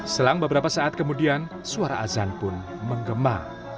selang beberapa saat kemudian suara azan pun menggema